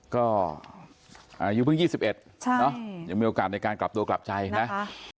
ก็อายุเพิ่ง๒๑ยังมีโอกาสในการกลับตัวกลับใจนะ